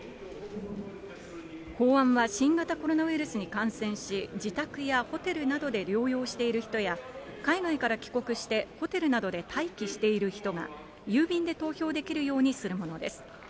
法案は新型コロナウイルスに感染し、自宅やホテルなどで療養している人や、海外から帰国してホテルなどで待機している人が、郵便で投票できるようにするものです。